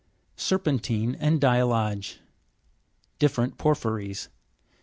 Ser'pentine and Didllage ; different porphyries.